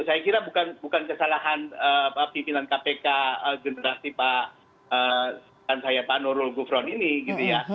saya kira bukan kesalahan pimpinan kpk generasi pak nurul gufron ini gitu ya